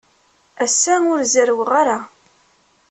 Ass-a, ur zerrweɣ ara.